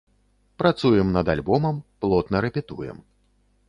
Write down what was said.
Працуем над альбомам, плотна рэпетуем.